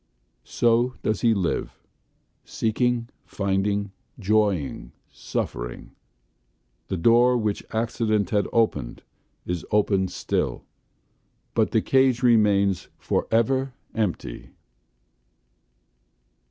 So does he live, seeking, finding, joying and suffering. The door which accident had opened is opened still, but the cage remains forever empty!